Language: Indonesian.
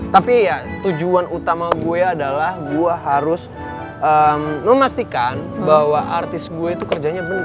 tapi ya tujuan utama gue adalah gue harus memastikan bahwa artis gue itu kerjanya benar